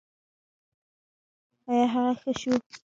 ایا هغه ښه شو؟